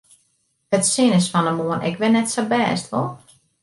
It sin is fan 'e moarn ek wer net sa bêst, wol?